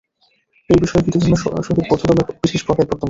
এই বিষয়ে হিন্দুধর্মের সহিত বৌদ্ধধর্মের বিশেষ প্রভেদ বর্তমান।